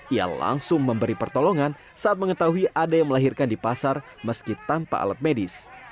ia langsung memberi pertolongan saat mengetahui ada yang melahirkan di pasar meski tanpa alat medis